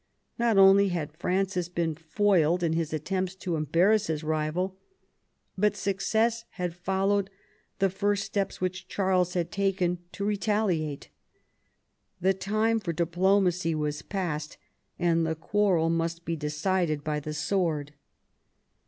Not only had Francis been foiled in his attempts to em barrass his rival, but success had followed the first steps which Charles had taken to retaliate. The time for diplomacy was past, and the quarrel must be decided by the sword.